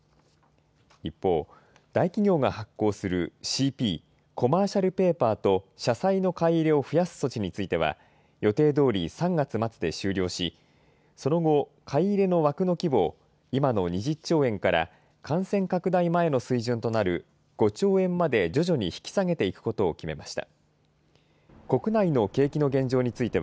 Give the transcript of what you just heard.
一方、大企業が発行するＣＰ・コマーシャルペーパーと、社債の買い入れを増やす措置については、予定どおり３月末で終了し、その後、買い入れの枠の規模を、今の２０兆円から、感染拡大前の水準となる５兆円まで徐々に引き下げていくことを決めました。